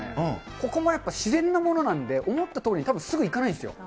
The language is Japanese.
ここもやっぱり自然なものなんで、思ったとおりにたぶんすぐいかないんですよ。